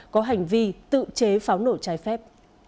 có hành vi tự chế pháo nổ trái phép